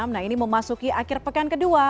nah ini memasuki akhir pekan kedua